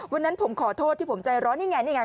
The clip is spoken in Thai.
วันนั้นผมขอโทษที่ผมใจร้อนนี่ไงนี่ไง